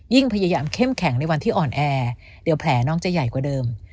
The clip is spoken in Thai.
พยายามเข้มแข็งในวันที่อ่อนแอเดี๋ยวแผลน้องจะใหญ่กว่าเดิม